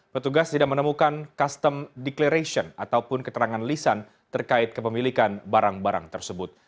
petugas tidak menemukan custom declaration ataupun keterangan lisan terkait kepemilikan barang barang tersebut